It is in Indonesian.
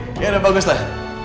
oke yaudah baguslah